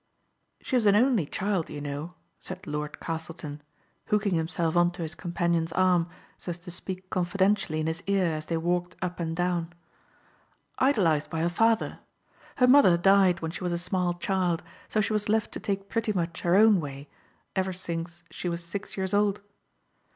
She was an only child, you know," said Lord Castleton, hooking himself on to his companion's arm, so as to speak confidentially in his ear as they walked up and down, "idolized by her father. Her mother died when she was a small child, so she was left to take pretty much her own way ever since she was six years old.